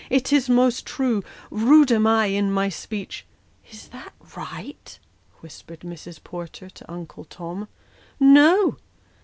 It is most true ; rude am I in my speech " Is that right ?" whispered Mrs. Porter to Uncle Tom. "No."